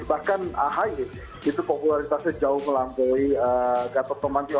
bahkan ahi itu popularitasnya jauh melambai gatot nurmantio